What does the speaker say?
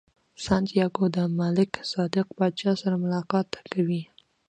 سانتیاګو د ملک صادق پاچا سره ملاقات کوي.